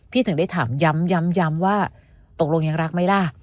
พี่ถึงได้ถามย้ำย้ำย้ำว่าตกลงยังรักไหมล่ะ